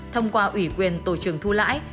thông qua ủy quyền tổ trưởng thu lãi